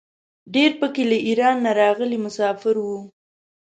ډېر په کې له ایران نه راغلي مساپر وو.